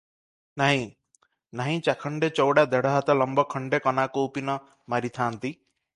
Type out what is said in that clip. ନାହିଁ, ନାହିଁ ଚାଖଣ୍ଡେ ଚୌଡ଼ା ଦେଢ ହାତ ଲମ୍ବ ଖଣ୍ଡେ କନା କୌପୀନ ମାରିଥାଆନ୍ତି ।